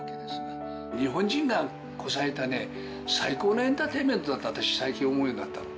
日本人がこさえたね、最高のエンターテインメントだって、私、最近、思うようになったの。